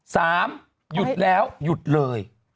หยุดแล้วหยุดเลย